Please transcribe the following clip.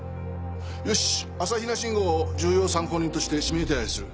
よし朝比奈信吾を重要参考人として指名手配する。